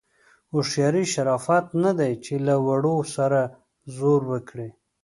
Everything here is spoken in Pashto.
هوښیاري شرافت نه دی چې له وړو سره زور وکړي.